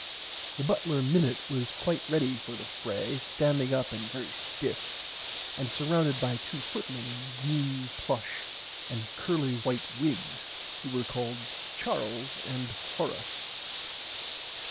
The butler Minnit was quite ready for the fray standing up very stiff and surrounded by two footmen in green plush and curly white wigs who were called Charles and Horace.